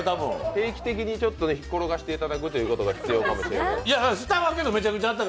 定期的に転がしていただくことが必要かもしれません。